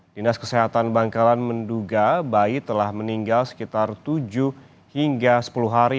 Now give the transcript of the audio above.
dinas kesehatan bangkalan menduga bayi telah meninggal sekitar tujuh hingga sepuluh hari